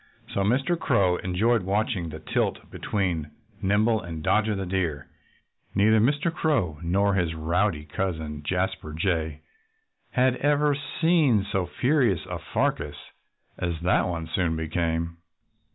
So Mr. Crow enjoyed watching the tilt between Nimble and Dodger the Deer. Neither Mr. Crow, nor his rowdy cousin Jasper Jay, had ever seen so furious a fracas as that one soon became.